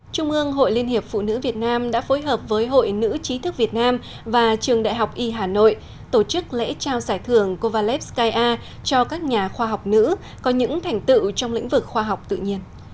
trung ương hội liên hiệp phụ nữ việt nam đã phối hợp với hội nữ chí thức việt nam và trường đại học y hà nội tổ chức lễ trao giải thưởng kovalev skyar cho các nhà khoa học nữ có những thành tựu trong lĩnh vực khoa học tự nhiên